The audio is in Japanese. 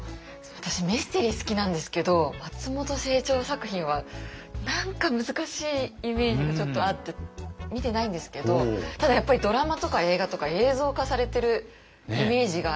私ミステリー好きなんですけど松本清張作品は何か難しいイメージがちょっとあって見てないんですけどただやっぱりドラマとか映画とか映像化されてるイメージがあるので。